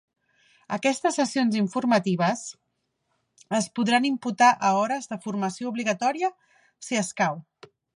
Aquestes sessions formatives es podran imputar a hores de formació obligatòria, si escau.